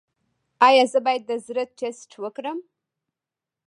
ایا زه باید د زړه ټسټ وکړم؟